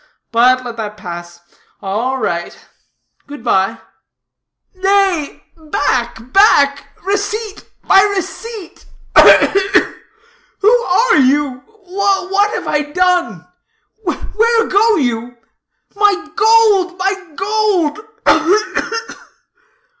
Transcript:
But let that pass. All right. Good bye!" "Nay, back, back receipt, my receipt! Ugh, ugh, ugh! Who are you? What have I done? Where go you? My gold, my gold!